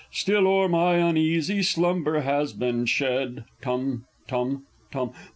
Still o'er my uneasy slumber has been shed (Tum tum tum!)